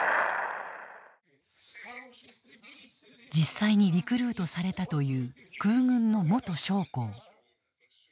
実際にリクルートされたという空軍の元将校。